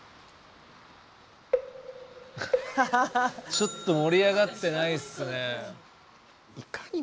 ちょっと盛り上がってないっすね。